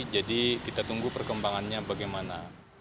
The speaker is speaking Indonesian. jadi kita tunggu perkembangannya bagaimana